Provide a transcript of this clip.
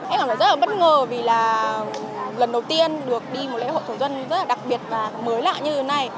em cảm thấy rất là bất ngờ vì là lần đầu tiên được đi một lễ hội thổ dân rất là đặc biệt và mới lạ như thế này